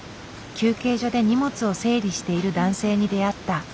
休憩所で荷物を整理している男性に出会った。